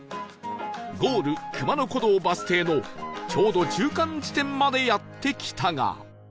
ゴール熊野古道バス停のちょうど中間地点までやって来たが